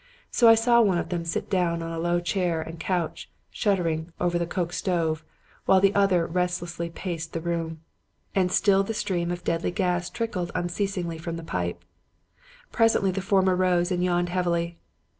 So I saw one of them sit down on a low chair and crouch, shuddering, over the coke stove, while the other restlessly paced the room. "And still the stream of deadly gas trickled unceasingly from the pipe. "Presently the former rose and yawned heavily.